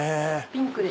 ピンクで。